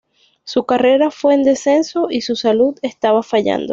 Su carrera fue en descenso y su salud estaba fallando.